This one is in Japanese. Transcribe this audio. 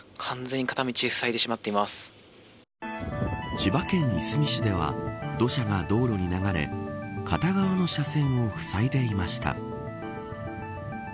千葉県いすみ市では土砂が道路に流れ片側の車線をふさいでいました。